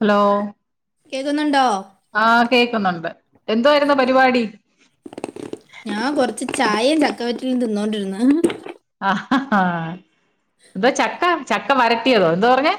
Hello കേക്കുന്നുണ്ടോ ആഹ് കേക്കുന്നുണ്ട് എന്തുവായിരുന്നു പരിവാടി ഞാൻ കൊറച്ച് ചായയും ചക്കവറ്റിലും തിന്നോണ്ടിരുന്നാ എന്താ ചക്ക ചക്ക വരട്ടിയതോ എന്തോ പറഞ്ഞേ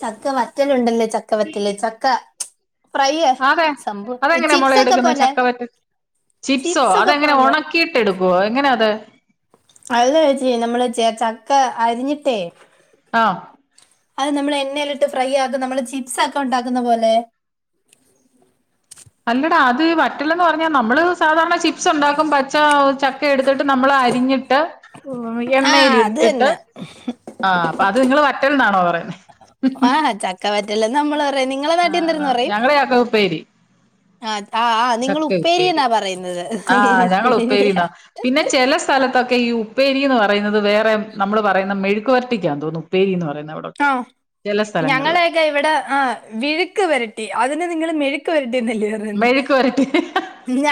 ചക്ക വറ്റലുണ്ടല്ലോ ചക്ക വറ്റല് ചക്ക ഫ്രൈ ആതെ സംഭവം അതെങ്ങനെ മോളെ ചിപ്സ് ഒക്കെ എടുക്കുന്നെ പോലെ ചക്കവറ്റല് ചിപ്സോ ചിപ്സ് ഒക്കെ അതെങ്ങനെ പോലെ ഒണക്കിയിട്ട് എടുക്കുവോ എങ്ങനെയാ അത് അല്ല ചേച്ചി ഞമ്മള് ചേ ചക്ക അരിഞ്ഞിട്ടേ ആഹ് അഹ് നമ്മള് എണ്ണേലിട്ട് ഫ്രൈയാക്കും നമ്മള് ചിപ്സൊക്കെ ഉണ്ടാക്കുന്ന പോലെ അല്ലടാ അത് വറ്റലെന്ന് പറഞ്ഞാ നമ്മള് സാധാരണ ചി പ്സുണ്ടാക്കും പച്ച ചക്ക എടുത്തിട്ട് നമ്മള് അരിഞ്ഞിട്ട് ഓഹ് ആ എണ്ണേയില് അത് ഇട്ടിട്ട് തന്നെ ആഹ് അപ്പ അത് നിങ്ങള് വറ്റല്ന്നണോ പറയുന്നെ ആഹ് ചക്ക വറ്റല്ലെന്ന് അമ്മള് പറയും നിങ്ങളെ നാട്ടില് എന്തരെന്ന് ആഹ് പറയും [unintelligible] ചക്ക ഉപ്പേരി ആഹ് താ നിങ്ങള് ചക്ക ഉപ്പേരി ഉപ്പേരിന്നാ പറയുന്നത് ആഹ് ഞങ്ങൾ ശരിയാ ഉപ്പേരിന്നാ പിന്നെ ചെല സ്ഥലത്തൊക്കെ ഈ ഉപ്പേരീന്ന് പറയുന്നത് വേറെ നമ്മള് പറയുന്ന മെഴുക്കു വെരട്ടിക്ക്യാ തോന്നുന്നു ഉപ്പേരീന്ന് പറയുന്നത് അവ് ആഹ് ഞങ്ങളെ ക്കെ ഇവിടെ ആഹ് വിഴുക്ക് വെരട്ടി അതിന് നിങ്ങള് മെഴുക്ക് വരട്ടീന്നല്ലെ മെഴുക്ക് വരട്ടി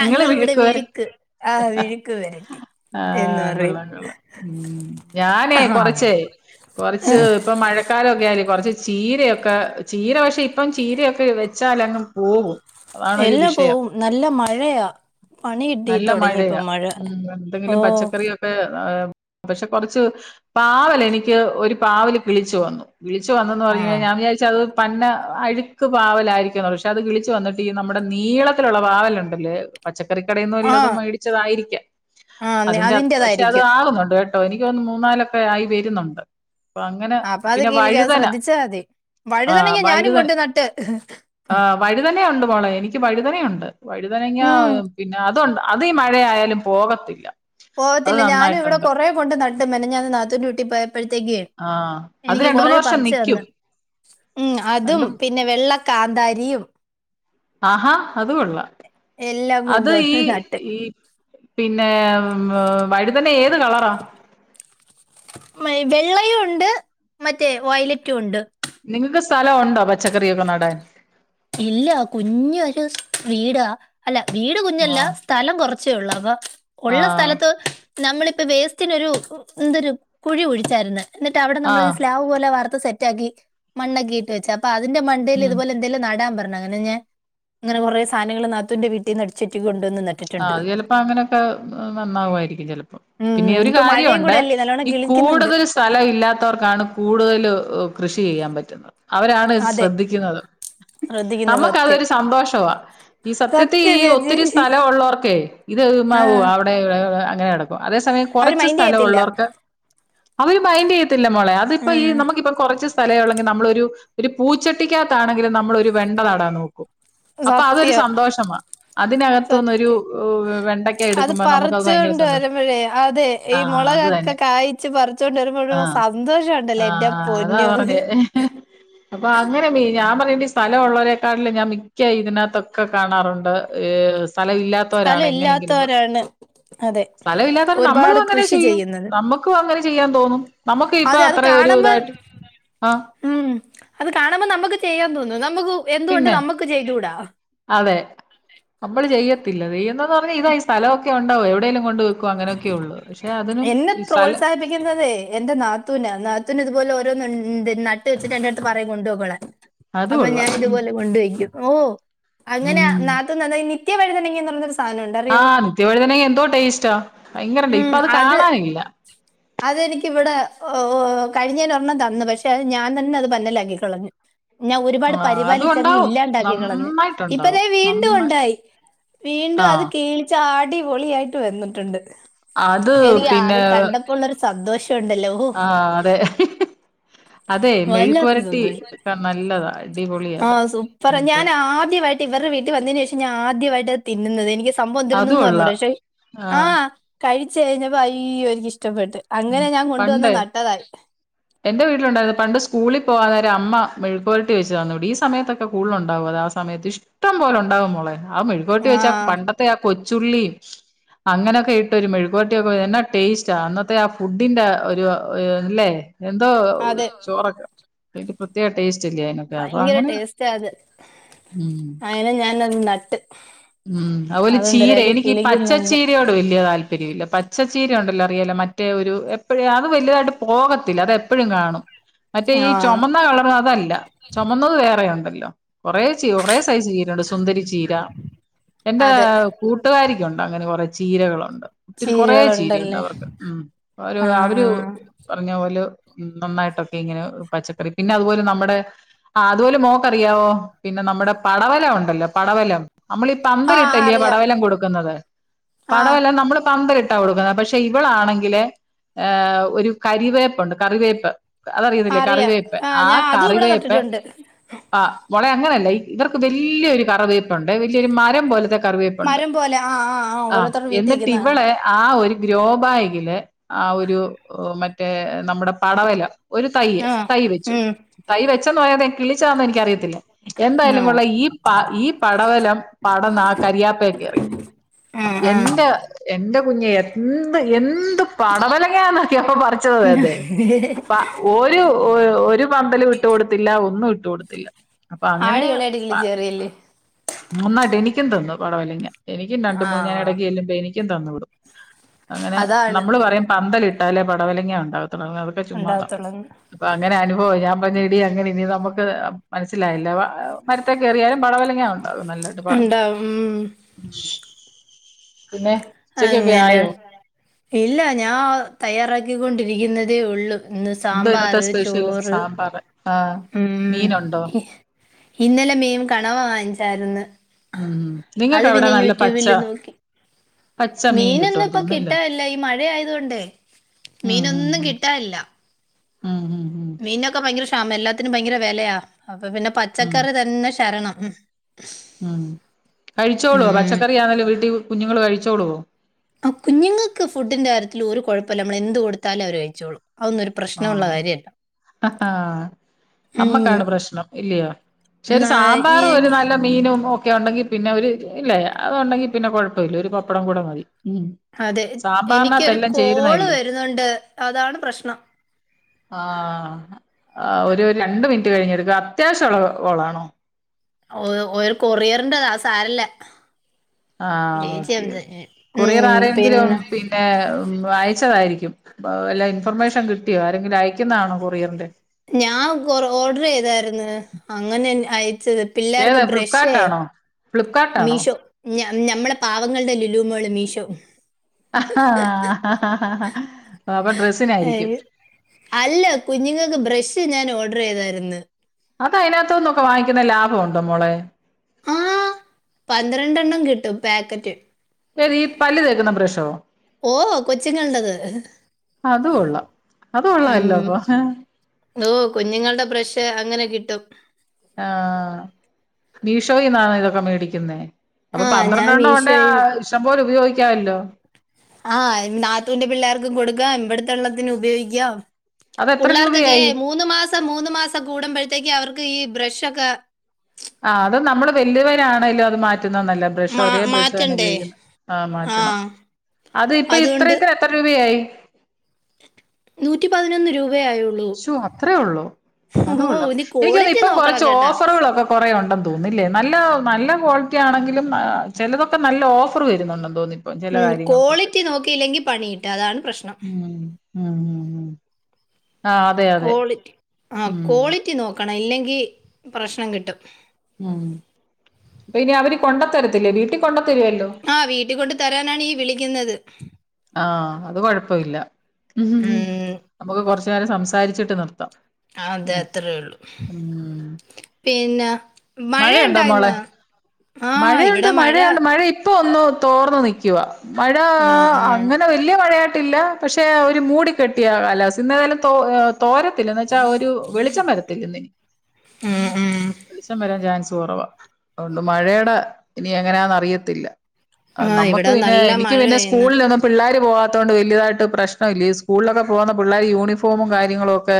നിങ്ങള് ഇവിടെ മെഴുക്ക് വര വിഴുക്ക് ആഹ് വിഴുക്ക് വരട്ടി എന്ന് ആഹ് പറയും കൊള്ളാം കൊള്ളാം ഉം ഞാനേ ആഹ് കൊറച്ചേ കൊറച്ച്പ്പം മഴക്കാലൊക്കെ ആയില്ലേ കൊറച്ച് ചീരയൊക്കെ ചീര പക്ഷേ ഇപ്പം ചീരയൊക്കെ വെച്ചാലങ്ങ് പോവും അതാണൊരു എല്ലാ വിഷയം പോവും നല്ല മഴയാ പണികിട്ടി നല്ല തൊടങ്ങിയിപ്പം മഴ ഓഹ് [unintelligible] പക്ഷേ കൊറച്ച് പാവൽ എനിക്ക്യ് ഒരു പാവൽ കിളിച്ചു വന്നു കിളിച്ച് വന്നന്ന് പറഞ്ഞു ആഹ് കഴിഞ്ഞാൽ ഞാൻ വിചാരിച്ച് അത് പന്ന അഴുക്ക് പാവലായിരിക്കും പക്ഷെ അത് കിളിച്ചു വന്ന് ട്ടി നമ്മുടെ നീളത്തിലുള്ള പാവലുണ്ടല്ലേ പച്ചക്കറി കടേന്ന് ആഹ് വല്ലതും മേടിച്ചതായിരിക്ക്യാ ആഹ് അതിന്റെ അ പക്ഷേ അത് അതിന്റേതായിരിക്കും ആകുന്നുണ്ട് കേ ട്ടോ എനിക്ക്യു തോന്ന്ന്നു മൂന്നാലൊക്കെയായി വെരുന്നുണ്ട് ഇപ്പ അങ്ങനെ അപ്പൊ അത് പിന്നെ കിളിക്കാതെ വഴുതന ശ്രദ്ധിച്ചാ മതി ആഹ് വഴുതനങ്ങ ഞാനും വഴുതന കൊണ്ട് നട്ട് ആഹ് വഴുതനെയുണ്ട് മോളെ എനിക്ക്യ് വഴുതനെയുണ്ട് വഴുതനങ്ങ ഉം പിന്നെ അതുണ്ടാ അത് ഈ മഴയായാലും പോവത്തില്ല പോവത്തില്ല ഞാനും ഇവിടെ കൊറേ കൊണ്ട് നട്ടു മെനഞ്ഞാന്ന് നാത്തൂന്റെ വീട്ടില് പോയപ്പഴത്തേക്കെ ആ അത് എനിക്ക്യ് രണ്ട് കൊറേ മൂന്ന് വർഷം പറ്ച്ച് തന്ന് നിക്കും ഉം അതും രണ്ടും പിന്നെ വെള്ള കാന്താരിയും ആഹ് ഹാ അതു കൊള്ളാം എല്ലാം അത് കൊണ്ടുവന്ന് ഈ നട്ട് ഈ പിന്നെ ഉം ഏഹ് വഴുതന ഏത് കളറാ [unintelligible] വെള്ളയുണ്ട് മറ്റേ വയ്ലറ്റും ഉണ്ട് നിങ്ങക്ക് സ്ഥലവുണ്ടോ പച്ചക്കറിയൊക്കെ നടാൻ ഇല്ല കുഞ്ഞ് ഒരു വീടാ അല്ല വീട് കുഞ്ഞല്ല ആഹ് സ്ഥലം കുറച്ചേ ഉള്ളൂ അപ്പൊ ഒള്ള ആഹ് സ്ഥലത്ത് നമ്മളിപ്പോ വേസ്റ്റിനൊരു ന്തൊരു കുഴി കുഴിച്ചാര്ന്ന് ന്ന്ട്ട് അവടെ നമ്മൾ ആഹ് സ്ലാബ് പോലെ വാർത്ത് സെറ്റാക്കി മണ്ണോക്കിട്ട് വെച്ചപ്പ പ്പതിന്റെ മണ്ടേല് ഉം ഇതുപോലെ എന്തേലും നട് ടാൻ പർഞ്ഞു അങ്ങനെ ഞാൻ ങ്ങനെ കൊറെ സാനങ്ങള് നാത്തുന്റെ വീട്ടീന്ന് അടിച്ച് മാറ്റി കൊണ്ടോന്ന് നട്ട് ആഹ് അത് ചെലപ്പോ അങ്ങനെയൊക്കെ നന്നാവായിരിക്കും ചെലപ്പോ ഉം പിന്നെ ഒരു ഇപ്പൊ മഴയും കൂടെ കാര്യുണ്ട് അല്ലേ നല്ലോണം ഈ കിളിക്കുന്നുണ്ട് കൂടുതൽ സ് സ്ഥലം ഇല്ലാത്തവർക്കാണ് കൂടുതല് കൃഷി ചെയ്യാൻ പറ്റുന്നത് അവരാണ് അതെ ശ്രദ്ധിക്കുന്നത് ശ്രദ്ധിക്കുന്നു സത്യം നമ്മക്കതൊരു സന്തോഷവാ ഈ സത്യത്തി സത്യം ഈ ചേച്ചി ഒത്തിരി സ്ഥ ല ഉള്ളോർക്കെ ഇത് ആ മാവ് അവ്ടെ വടെ അങ്ങനെ കെടക്കും പ്പം അതേ സമയം അവര് കൊറച്ച് മൈൻഡ് ചെയ്യത്തില്ല സ്ഥലവുള്ളോർക്ക് അവര് മൈൻഡെയ് ത്തില്ല മോളെ അതിപ്പ ആ ഈ നമ്മക്കിപ്പൊ കൊർച്ച് സ് സ്ഥലെ ഒള്ളെങ്കി നമ്മളൊരു ഒരു പൂച്ചട്ടിക്കകത്താണെങ്കിലും നമ്മള് ഒരു വെണ്ട നടാൻ നോക്കും അപ്പൊ അതൊരു സത്യം സന്തോഷമാ അതിനക സത്യം അത് നമുക്കത് ഭയങ്കര പറിച്ചോണ്ട് സന്തോഷം വരുമ്പഴേ അതെ ഈ ആ അത് മൊളകൊക്കെ തന്നെ കായ് ച്ച് പറിച്ചോണ്ട് ആ വരുമ്പോഴ്ഴ് സന്തോഷണ്ടല്ലോ എന്റെ പൊന്നോ ഹ് അപ്പൊ അങ്ങനെ മീ ഞാൻ പറയ്ണ്ട് സ്ഥലമുള്ളവരെക്കാട്ടിലും ഞാൻ മിക്ക ഇതിനാത്തൊക്കെ കാണാറുണ്ട് ഈ സ് സ്ഥലം ഇല്ലാത്തോരാണ് സ്ഥലം എങ്ങനെങ്കിലും ഇല്ലാത്തവരാണ് അതെ സ്ഥല ഇല്ലാത്തോണ്ട് നമ്മളും ഒരുപാട് അങ്ങനെ കൃഷി ചെയ്യും ചെയ്യുന്നത് നമ്മക്കും അങ്ങനെ ചെയ്യാൻ തോന്നും നമുക്ക് ഇപ്പൊ അതെ അത് അത്ര ഒരു കാണ്മ്പം ഇതായിട്ട് ആ ഉം അത് കാണുമ്പം നമ്മക്ക് ചെയ്യാൻ തോന്നും നമ്മക്ക് എന്തുകൊണ്ട് പിന്നെ നമ്മക്ക് ചെയ്തൂട അതെ നമ്മള് ചെയ്യത്തില്ല ചെയ്യുന്ന്ന്ന് പർഞ്ഞാ ഇതാ ഈ സ്ഥലവൊക്കെ ഉണ്ടാവോ എവിടേലും കൊണ്ട് ക്കൊ അങ്ങനൊക്കെ ഉള്ളു പക്ഷെ അതിനും ഈ സലം ക്ക്ന്നത് എന്റെ നാത്തൂനാ നാത്തൂന് ഇതുപോലെ ഓരോന്ന്ണ്ട് നട്ട് വെച്ചിട്ട് എന്റെട്ത്ത് പറയും കൊണ്ടു പൊക്കോളാൻ അത് അപ്പം കൊള്ളാം ഉം ഞാനിതുപോലെ കൊണ്ടുവെയ്ക്കും ഓ അങ്ങനെയാ ഉം നാ ത്തൂൻ [unintelligible] ആഹ് നിത്യവഴുതെനങ്ങ എന്തോ ടേസ്റ്റാ ഭയങ്കരണ്ട് ഇപ്പൊ അത് കാണാനില്ല അതെനിക്കിവടെ ഓഹ് കഴിഞ്ഞേനൊരെണ്ണം തന്ന് പക്ഷെ അത് ഞാനെന്നെ അത് പന്നലാക്കിക്കളഞ്ഞു ഞാൻ ഒരുപാട് ആഹ് അതും പരിപാലിച്ചങ്ങ് ഉണ്ടാവും ഇല്ലാണ്ടാക്കി കളഞ്ഞു ഇപ്പ നന്നായിട്ടുണ്ടാവും തേ വീണ്ടും നന്ന ഉണ്ടായി വീണ്ടും അത് ആഹ് കീഴിച്ചാടിപൊളിയായിട്ട് വന്നിട്ടുണ്ട് അത് പിന്നെ എനിക്കത് കണ്ടപ്പോള്ളൊരു സന്തോഷണ്ടല്ലോ ആഹ് അതെ അതെ മെഴുക്കുപൊരട്ടി വല്ലാത്തൊരുസന്തോഷം ഒക്കെ നല്ലതാ അടിപൊളിയ ആഹ് സൂപ്പറാ ഞാൻ ആദ്യമായിട്ട് ഇവരുടെ വീട്ടിൽ വന്നതിന് ശേഷം ഞാൻ ആദ്യമായിട്ട തിന്നുന്നത് എനിക്ക് സ് സംഭവം അത് എന്ത്‌ര്ന്ന്ന്ന് അർഞ്ഞൂട കൊള്ളാം പക്ഷെ ആഹ് കഴിച്ചു കഴിഞ്ഞപ്പോ അയ്യോ എനിക്കിഷ്ട്ടപ്പെട്ട് ഉം അങ്ങനെ ഞാൻ കൊണ്ടുവന്ന് പണ്ട് നട്ടതാ എന്റെ വീട്ടിലുണ്ടായിരുന്നു പണ്ട് സ്കൂളി പോകാൻ നേരം അമ്മ മെഴുക്കു പൊരട്ടി വെച്ച് തന്നൂടി ഈ സമയത്തൊക്കെ കൂടുതലുണ്ടാവും അതാ സ സമയത്ത് ഇഷ്ട്ടം പോലെ ഉണ്ടാവും മോളെ ആ മെഴുക്ക് പെര്ട്ടി വെച്ചാ ആഹ് പണ്ടത്തെ ആ കൊച്ചുള്ളീം അങ്ങനെയൊക്കെ ഇട്ട് ഒരു മെഴുക്കു പൊരട്ടിയൊക്കെ എന്നാ ടേസ്റ്റാ അന്നത്തെ ആ ഫുഡിന്റെ ഹ് ഒരു ഹ് ല്ലേ എന്തോ അതെ ചോറൊക്കെ ഇത് പ്രത്യേക ടേസ്റ്റ്ല്ലേ അയ്നൊക്കെ അപ്പൊ ഭയങ്കര അങ്ങനെ ഉം അയ്നെ ഞാനൊന്ന് നട്ട് ഉം അതുപോലെ ചീര അതെന്തരായാലും എനിക്ക് ഈ കിളിക്കുന്നുണ്ട് പച്ചച്ചീരയോട് വെല്യ താൽ പര്യവില്ല പച്ചച്ചീര ഒണ്ടല്ലോ അറിയാല്ലോ മറ്റേ ഒരു എപ്പഴും അത് വലുതായിട്ട് പോവത്തില്ല അത് എപ്പഴും കാണും മറ്റേ ഈ ആഹ് ചൊമന്ന കളറ് അതല്ല. ചൊമന്നത് വേറെയുണ്ടല്ലോ കൊറേ ചീര കൊറേ സൈസ് ചീര ഉണ്ട് സുന്ദരി ചീര. എന്റെ അതെ കൂട്ടുകാരിക്കുണ്ട് അങ്ങനെ കൊറേ ചീരകളുണ്ട്. ഒത്തിരി കൊറേ ചീരയുണ്ട് ചീരകളുണ്ടല്ലേ അവർക്ക് ഉം അവര് ആഹ് അവര് ഒ ആഹ് പറഞ്ഞ പോല് ഉം നന്നായിട്ടൊക്കെ ഇങ്ങനെ പച്ചക്കറി പിന്നെ അതുപോലെ നമ്മടെ ആ അതുപോലെ മോക്കറിയാവോ പിന്നെ നമ്മുടെ പടവല ഉണ്ടല്ലോ പടവലം. അമ്മള് ഈ ആഹ് പന്തലിട്ടല്ലെ അറിയാം പടവലം കൊടുക്കുന്നത് ആഹ് പടവല നമ്മള് പന്തല്ട്ട് ട്ടാ കൊടുക്കുന്നത് പക്ഷെ ഇവളാണെങ്കില് ഏ ഒരു കരിവേപ്പുണ്ട് കറിവേപ്പ്. അതറിയുന്നില്ലേ അറിയാം കറിവേപ്പ് ആഹ് ആ ഞാൻ അതും ഇവിടെ കറിവേപ്പ് നട്ടിട്ടുണ്ട് ആ മോളെ അങ്ങനെയല്ല ഇവർക്ക് വല്ല്യൊരു കറിവേപ്പുണ്ട് വല്യെരു മര രം പോലത്തെ കറിവേപ്പുണ്ട് മരം പോലെ ആ ആ ഓരോരുത്തരുടെ വീട്ടിൽ എന്നിട്ട് നിൽക്കുന്ന കാണാം ഇവള് ആ ഒരു ഗ്രോബാഗില് ആ ഒരു മറ്റേ നമ്മുടെ പടവലം ഒരു തയ്യ് ആ തൈ വെച്ചു ഉം തയ്യ് വെച്ചന്ന് [unintelligible] കിളിച്ചാ എന്നനിക്കറിയത്തില്ല ആ എന്തായാലും കൊള്ളാ ഈ പാ ഈ പടവലം പടന്നാ കരിയാപ്പേ കേറി ആ ആ എന്റെ എന്റെ കുഞ്ഞേ എന്ത് എന്ത് പടവലങ്ങാന്നറിയോ പ്പ പറിച്ചത് [unintelligible] ഒരു ഒരു പന്തലും ഇട്ടു കൊടുത്തില്ല ഒന്നും ഇട്ടു കൊടുത്തില്ല. അപ്പൊ അങ്ങനെ ആടി ഇളയാടികിളിച്ച് കേറിയല്ലേ നന്നായിട്ട് എനിയ്ക്കും തന്നു പടവലങ്ങ എനിയ്ക്കും രണ്ട് ആ മൂന്ന് ഞാൻ ഇടയ്ക്ക് ചെല്ലുമ്പ എനിയ്ക്കും തന്നു വിടും അങ്ങനെ അതാണ് നമ്മള് പറയും പന്തലിട്ടാലെ പടവലങ്ങ ഉണ്ടാവത്തുള്ളു അതൊക്കെ ചുമ്മാതാ ഉണ്ടാവത്തുള്ളന്ന് അപ്പൊ അങ്ങനെ അനുഭവം ഞാൻ പഞ്ഞ് എടീ അങ്ങനെ ഇനി നമ്മക്ക് അ മനസ്സിലായല്ലോ വ അ മരത്തേ കേറിയാലും പടവലങ്ങ അത് നല്ലായിട്ട് പടന്ന് ഉണ്ടാവും ഉം ഉം പിന്നെ ഉച്ചക്കൊക്കെ അങ്ങനെ ആയോ ഇല്ല ഞാ അ തയ്യാറാക്കിക്കൊണ്ടിരിക്കുന്നതേ ഒള്ളൂ. ഇന്ന് എന്തോ ഇന്നത്തെ സാമ്പാറ് സ്പെഷ്യല് ചോറ് സാമ്പാറ് ആഹ് ഉം മീനുണ്ടോ ഇന്നലെ മീൻ കണവ വാങ്ങിച്ചാരുന്ന് ഉം ഉം അത് നിങ്ങൾക്ക് അവിടെ പിന്നെ നല്ല യൂറ്റൂബ് പച്ച ല് നോക്കി പച്ച മീൻ മീനൊന്നും കിട്ടുമെന്ന് ഇപ്പൊ തോന്നുന്നില്ലേ കിട്ടാനില്ല ഈ മഴ ആയത് കൊണ്ടേയ് ഉം മീനൊന്നും ഉം കിട്ടാഇല്ല ഉം ഉം ഉം മീനൊക്കെ ഭയങ്കര ക്ഷാമ എല്ലാത്തിനും ഭയങ്കര വെലയാ അപ്പൊ പിന്നെ ഉം പച്ചക്കറി തന്നെ ശരണം ഉം ഉം കഴിച്ചോളോ ഉം. പച്ചക്കറി ആന്നേലും വീട്ടിൽ കുഞ്ഞുങ്ങള് കഴിച്ചോളുവോ ആ കുഞ്ഞുങ്ങൾക്ക് ഫുഡിന്റെ കാര്യത്തിൽ ഒരു കുഴപ്പല്ല നമ്മള് എന്ത് കൊടുത്താലു അവര് കഴിച്ചോളൂ അതൊന്നും ഒരു പ്രശ്നമുള്ള കാര്യമല്ല ആഹ് ഉം. നമ്മക്കാണ് പ്രശ്നം ഇല്ലയോ പക്ഷെ ഒരു എന്നാ സാമ്പാറും ഒരു ഇനി- നല്ല മീനും ഒക്കെ ഉണ്ടെങ്കി പിന്നെ ഒരു ഇല്ലേ അത് ഉണ്ടെങ്കി പിന്നെ കുഴപ്പം ഇല്ല ഒരു പപ്പടം കൂടെ മതി. ഉം സാമ്പാറിനകത്ത് എല്ലാം ചേരുന്നതല്ലേ. ഉണ്ട് അതാണ് പ്രശ്നം ആ ഒരു രണ്ട് മിനിറ്റ് കഴിഞ്ഞെടുക്ക് അത്യാവശ്യം ഉള്ള കോ കോളാണോ ഓ ഒരു കൊറിയറിന്റെതാ ആ സാരല്ല ആ ചേച്ചി ഓക്കെ കൊറിയർ ഉം, ആരെയെങ്കിലും പിന്നെ പിൻ പിന്നെ ഉ അയച്ചതായിരിക്കും വല്ല ഇൻഫർമേഷൻ കിട്ടിയോ ആരെങ്കിലും അയക്കുന്നതാണോ കൊറിയറിന്റെ ഞാൻ കൊ ഓർഡർ ചെയ്തായിരുന്നു അങ്ങനെ ന് അയച്ച് പിള്ളേർക്ക് ഏതാ ബ്രഷേ ഫ്ലിപ്കാർട്ടാണോ ഫ്ലിപ്കാർട്ടാണോ മീഷോ ഞ ഞമ്മളെ പാവങ്ങൾടെ ലുലൂ മോള് മീഷോ അപ്പൊ ഏ, ഡ്രസ്സിനായിരിയ്ക്കും അല്ല കുഞ്ഞുങ്ങൾക്ക് ബ്രഷ് ഞാൻ ഓർഡർ ചെയ്തായിരുന്നു. അത് അതിനകത്ത് ന്നും ഒക്കെ വാങ്ങിക്കുന്ന ലാഭം ഉണ്ടോ മോളെ ആഹ് പന്ത്രണ്ടെണ്ണം കിട്ടും പാക്കറ്റ് ഏത് ഈ പല്ല് തേക്കുന്ന ബ്രഷോ ഓഹ് കൊച്ചിങ്ങ അതു കൊള്ളാം അതു കൊള്ളല്ലോ അപ്പൊ ഓഹ് കുഞ്ഞുങ്ങടെ ബ്രഷ് അങ്ങനെ കിട്ടും ആഹ് മീഷോയീന്നാണോ ഇതൊക്കെ മേടിക്കുന്നേ ആ അപ്പൊ ഞാൻ പന്ത്രണ്ടെണ്ണം ഉണ്ടേ മീഷോ ആ ഇഷ്ടം പോലെ ഉപയോഗിക്കാല്ലോ. ആഹ് നാത്തൂന്റെ പിള്ളേർക്കും കൊടുക്കാം ഇവടുത്തെള്ളത്തിന് ഉപയോഗിക്കാം അത് എത്ര പിള്ളേർക്കൊക്കെ രൂപയായി മൂന്ന് മാസം മൂന്ന് മാസം കൂടുമ്പോഴത്തേക്ക് അവർക്ക് ഈ ബ്രഷൊക്കെ ആഹ് അത് നമ്മള് വലിയവരാ ആണേലും അത് മാറ്റുന്ന നല്ല ബ്രഷ് ഒരേ മാ- ബ്രഷ് തന്നെ മാറ്റണ്ടേ ഉപയോഗിക്കുന്ന അ ആ മാറ്റണം അത് ഇപ്പ അതുകൊണ്ട് ഇത്രത്തെ എത്ര രുപയായി നൂറ്റി പതിനൊന്ന് രൂപയേ ആയുള്ളു. ശൂ അത്രേ ഒള്ളോ അതുകൊള്ളാം ഇനി എനിക്ക് തോന്ന് ക്വാളിറ്റി ഇപ്പം നോക്കണം കുറച്ച് കേട്ടാ ഓഫറുകളൊക്കെ കുറേ ഒണ്ടെന്ന് തോന്ന് ഇല്ലേ നല്ല നല്ല ക്വാളിറ്റി ആണെങ്കിലും അ ചിലതൊക്കെ നല്ല ഓഫർ വരുന്നുണ്ടെന്ന് തോന്നു ഉം ക്വാളിറ്റി നോക്കിയില്ലെങ്കിൽ പണി കിട്ടും അതാണ് പ്രശ്നം ഉം ഉം ഉം ഉം ആഹ് ക്വാളിറ്റി ആഹ് ക്വാളിറ്റി നോക്കണം ഇല്ലെങ്കിൽ പ്രശ്നം കിട്ടും ഉം അപ്പൊ ഇനി അവര് കൊണ്ടത്തരത്തില്ലേ വീട്ടിൽ കൊണ്ട തരുവല്ലോ ആഹ് വീട്ടു കൊണ്ട് തരാനാണ് ഇ വിളിക്കുന്നത് ആഹ് അത് കൊഴപ്പ ഇല്ല ഉം, നമുക്ക് കുറച്ചു നേരം സംസാരിച്ചിട്ട് നിർത്താം അതെ ഉം അത്രേള്ളു ഉം. പിന്നെ മഴ മഴയുണ്ടോ ഉണ്ടായിന്നോ മോളെ ആ മഴയുണ്ട് ഇവിടെ മഴയുണ്ട് മഴ ഇപ്പഒന്ന് തോർന്ന് നിക്ക്‌വാ മഴ ആ അങ്ങനെ വല്യ അങ്ങനെ മഴയാട്ടില്ല പക്ഷെ ഒരു മൂടി കെട്ടിയ കലാവസ്ത ഇന്ന് എതായാലും തോ തോരത്തില്ല എന്ന് വെച്ചാൽ ഒരു വെളിച്ചം വരത്തില്ല എന്ന് ഉം ഉം വെളിച്ചം വരാൻ ചാൻസ് കുറവാ അതൊണ്ട് മഴയുടെ ഇനി എങ്ങനാന്ന് അറിയത്തില്ല ആഹ് നമക്ക് ഇവിടെ പിന്നെ നല്ല എനിക്ക് പിന്നെ മഴയായിന്ന് സ്കൂളിൽ ഒന്നു പിള്ളോര് പോവാത്തണ്ട് വലിയതായിട്ട് പ്രശ്നം ഇല്ല സ്കൂളിലൊക്കെ പോകുന്ന പിള്ളേര്‌ യൂണിഫോമും കാര്യങ്ങളും ഒക്കെ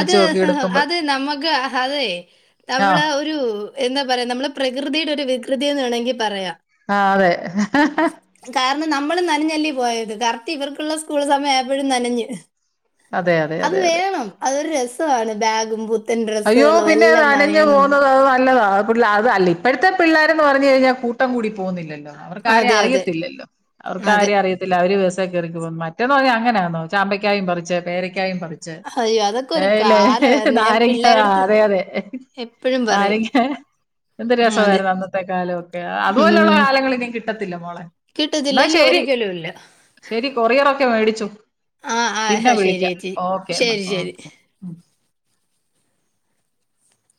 അത് എടുക്കുമ്പോൾ അത് നമുക്ക് അതെ ആ നമ്മള് ഒരു ഒരു എന്താ പറയാ നമ്മളെ പ്രകൃതിയുടെ ഒരു വികൃതി എന്ന് വേണമെങ്കിൽ പറയാം ആഹ് അതെ കാരണം നമ്മള് നനഞ്ഞല്ലേ പോയത് കറക്റ്റ് ഇവർക്കുള്ള സ്കൂൾ സമയം അയപ്പഴും നനഞ്ഞ് അതെ അതെ അതെ അത് അതെ വേണം അതൊരു രസമാണ് ബാഗും പു അയ്യോ പിന്നെ അത് നനഞ് പോകുന്നത് അത് നല്ലതാ കൂട്അത അല്ല ഇപ്പോഴത്തെ പിള്ളേരന്ന് പറഞ് കഴിഞാൽ കൂട്ടം കൂടി പോകുന്നില്ലല്ലോ അവർക്ക്‌ ആരി അതെ അതെ അറിയത്തില്ലല്ലോ അവർക്ക്‌ അതെ ആരി അറിയത്തി അവര് ബസ്സേ കയറി പോകുന്നു മറ്റേന്ന് പറഞ്ഞാ അങ്ങനൊന്നോ ചാമ്പക്കായും പറിച്ച് പേരക്കായും പറിച്ച് അയ്യോ അതൊക്കെ ച്ച് ഒരു ഏല്ലേ കാലമായിരുന്നു ഞാൻ നാരങ്ങ ആഹ് പിള്ളേരടുത്ത് അതെ അതെ ആഹ് എപ്പഴും പറയും നാരങ്ങ എന്ത് ഉം, അതെ രസമായിരുന്നു അന്നത്തെ കാലമൊക്കെ അതുപോലെയുള്ള ഉം കാലങ്ങൾ ഇനിയും കിട്ടത്തില്ല മോളെ കിട്ടത്തില്ല ഇല്ല ഒരികലുംഇല്ല ശെരി കൊറിയറൊക്കെ മേടിച്ചു ആ പിന്നെ ആ ശരി വിളിക്കാം ചേച്ചി ഓക്കെ എന്നാ ശരി ശരി ഓക്കെ